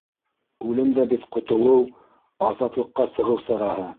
Үлем дә бит - ҡотолоу, азатлыҡҡа сығыу сараһы.